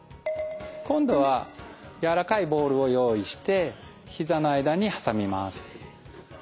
今度はやわらかいボールを用意してひざの間にはさみます。